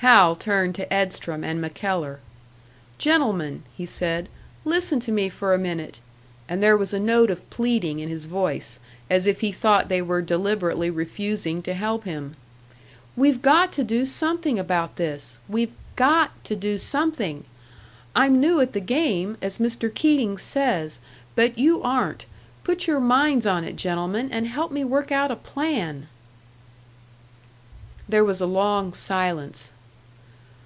Hal turned to Edstrom and MacKellar. "Gentlemen," he said, "listen to me for a minute." And there was a note of pleading in his voice as if he thought they were deliberately refusing to help him! "We've got to do something about this. We've got to do something! I'm new at the game, as Mr. Keating says; but you aren't. Put your minds on it, gentlemen, and help me work out a plan!" There was a long silence.